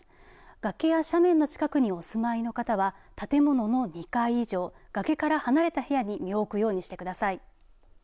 崖や斜面の近くにお住まいの方は建物の２階以上崖から離れた部屋に身を置くようにしてください。